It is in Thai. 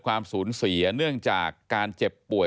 ความสูญเสียเนื่องจากการเจ็บป่วย